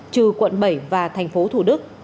trừ quận bảy và tp thủ đức